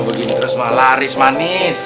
kalo begini terus mah laris manis